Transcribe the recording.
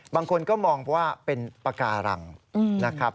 บางคนก็มองเพราะว่าเป็นปากการังนะครับ